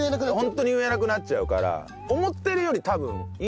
ホントに言えなくなっちゃうから。